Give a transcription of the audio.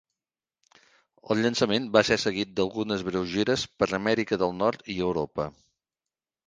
El llançament va ser seguit d'algunes breus gires per Amèrica del Nord i Europa.